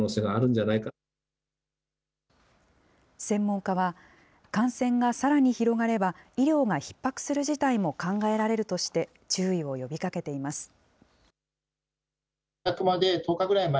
専門家は、感染がさらに広がれば、医療がひっ迫する事態も考えられるとして、注意を呼びかけています。